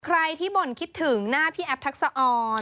ใครที่บ่นคิดถึงหน้าพี่แอฟทักษะออน